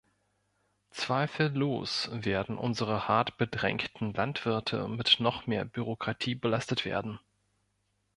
Zweifellos werden unsere hart bedrängten Landwirte mit noch mehr Bürokratie belastet werden.